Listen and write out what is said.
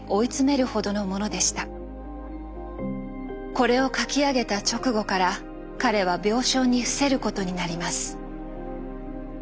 これを書き上げた直後から彼は病床に伏せることになります。